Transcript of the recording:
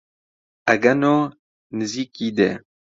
ئەگەنۆ نزیکی دێ